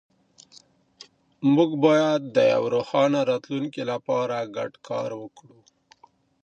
موږ باید د یو روښانه راتلونکي لپاره ګډ کار وکړو.